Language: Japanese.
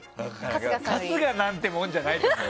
春日なんてもんじゃないと思う。